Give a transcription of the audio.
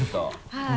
はい。